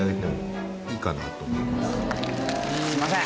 すみません。